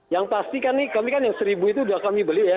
yang pasti kan ini kami kan yang seribu itu sudah kami beli ya